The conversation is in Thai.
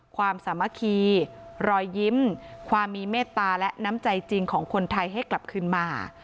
ความสามัคคีรอยยิ้มความมีเมตตาและน้ำใจจริงของคนไทยให้กลับคืนมา